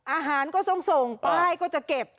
อาหารก็ต้องส่งป้ายก็จะเก็บ